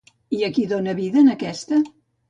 I a qui dona vida en aquesta?